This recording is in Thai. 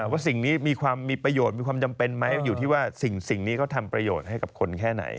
ว่าสิ่งนี้มีความมีประโยชน์มีความจำเป็นไหมอยู่ที่ว่าสิ่งนี้เขาทำประโยชน์ให้กับคนแค่ไหน